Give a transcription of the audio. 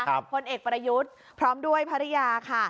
พลเอกประยุทธ์พร้อมด้วยภรรยาค่ะ